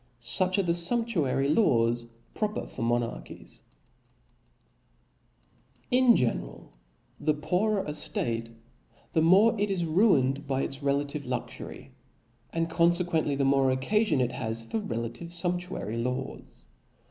145 Such are the fumptuary laws proper for monar b o o « In general, the poorer a ftate, the more it is ruined by its relative luxury 5 and confequently the more occafion it has for relative fumptuary laws.